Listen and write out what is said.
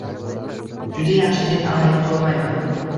Juda yaxshi deb aytolmayman.